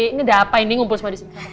ini udah apa ini ngumpul semua disini